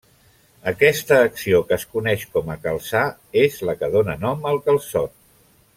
Aquesta acció, que es coneix com a calçar, és la que dóna nom al calçot.